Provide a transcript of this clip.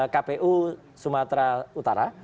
kpu sumatera utara